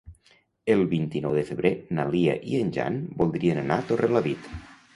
El vint-i-nou de febrer na Lia i en Jan voldrien anar a Torrelavit.